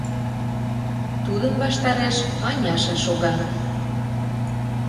Тудын ваштареш Маняша шога.